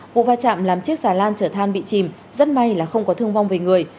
vụ va chạm làm chiếc xà lan chở than bị chìm rất may là không có thương vong về người